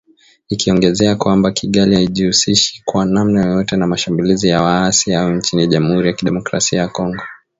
Ikiongezea kwamba Kigali haijihusishi kwa namna yoyote na mashambulizi ya waasi hao nchini Jamhuri ya kidemokrasia ya Kongo.